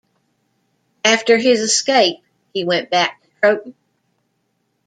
After his escape he went back to Croton.